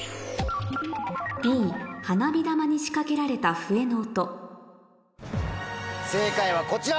「Ｂ花火玉に仕掛けられた笛の音」正解はこちら。